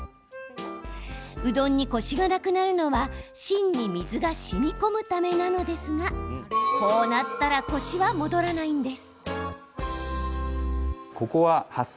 うどんに、コシがなくなるのは芯に水がしみこむためなのですがこうなったらコシは戻らないんです。